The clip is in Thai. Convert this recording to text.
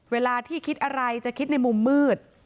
เวลาที่คิดอะไรจะคิดในมุมมืด